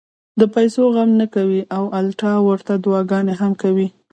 د پېسو غم نۀ کوي او الټا ورته دعاګانې هم کوي -